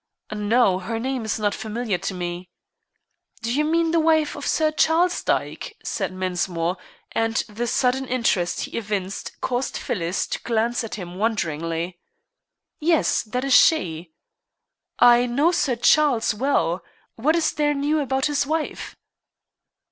"No, her name is not familiar to me." "Do you mean the wife of Sir Charles Dyke?" said Mensmore; and the sudden interest he evinced caused Phyllis to glance at him wonderingly. "Yes, that is she." "I know Sir Charles well. What is there new about his wife?"